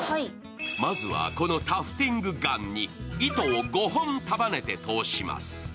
まずは、このタフティングガンに糸を５本束ねて通します。